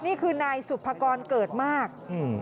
นี่คือนายสุภกรเกิดมาก